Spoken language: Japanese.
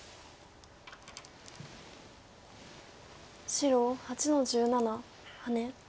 白８の十七ハネ。